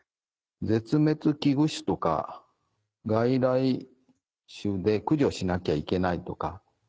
絶滅危惧種とか外来種で駆除しなきゃいけないとか。